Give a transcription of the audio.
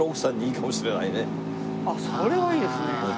あっそれはいいですね。